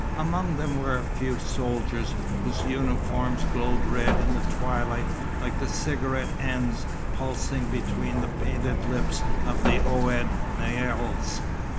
Among them were a few soldiers, whose uniforms glowed red in the twilight, like the cigarette ends pulsing between the painted lips of the Ouled Naïls.